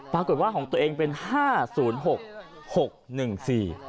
ปรากฏว่าของตัวเองเป็นห้าศูนย์หกหกหนึ่งสี่